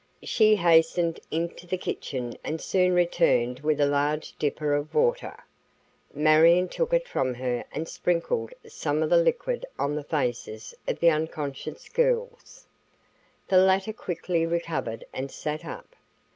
She hastened into the kitchen and soon returned with a large dipper of water. Marion took it from her and sprinkled some of the liquid on the faces of the unconscious girls. The latter quickly recovered and sat up.